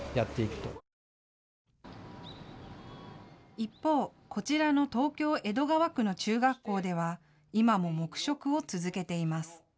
一方、こちらの東京・江戸川区の中学校では今も黙食を続けています。